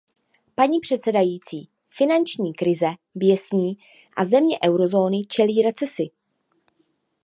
Paní předsedající, finanční krize běsní a země eurozóny čelí recesi.